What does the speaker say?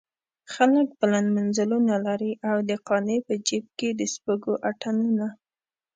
خلک بلند منزلونه لري او د قانع په جيب کې د سپږو اتڼونه.